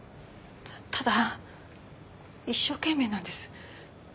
ただ一生懸命なんです。